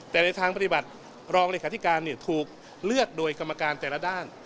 แต่ในทางปฏิบัติรองเลขาธิการถูกเลือกโดยกรรมการแต่ละด้าน